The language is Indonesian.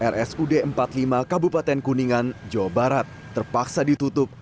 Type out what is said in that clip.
rsud empat puluh lima kabupaten kuningan jawa barat terpaksa ditutup